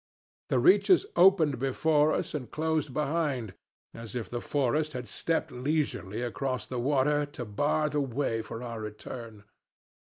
The reaches opened before us and closed behind, as if the forest had stepped leisurely across the water to bar the way for our return.